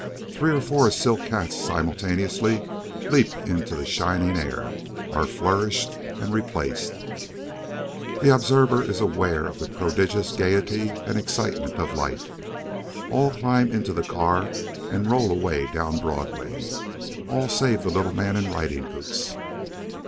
Three or four silk hats simultaneously leap into the shining air, are flourished and replaced. The observer is aware of the prodigious gayety and excitement of life. All climb into the car and roll away down Broadway. All save the little man in riding boots.